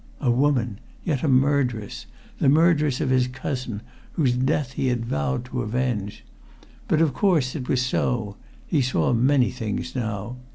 A woman! yet, a murderess; the murderess of his cousin, whose death he had vowed to avenge. But of course it was so he saw many things now.